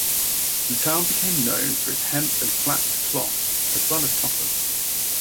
The town became known for its hemp and flax cloth, as well as cotton.